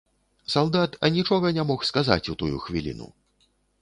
Салдат анічога не мог сказаць у тую хвіліну.